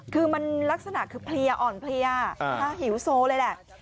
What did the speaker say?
คือมันลักษณะคือเพลียอ่อนเพลียหิวโซเลยแหละ